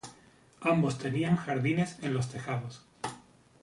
Ambos tenían jardines en los tejados.